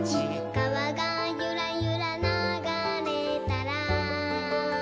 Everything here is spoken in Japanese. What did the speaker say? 「かわがゆらゆらながれたら」